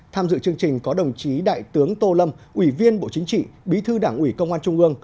tham dự chương trình có đồng chí đại tướng tô lâm ủy viên bộ chính trị bí thư đảng ủy công an trung ương